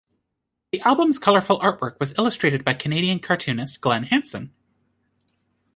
The album's colorful artwork was illustrated by Canadian cartoonist Glen Hanson.